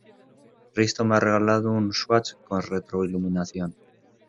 Risto me ha regalado un Swatch con retroiluminación.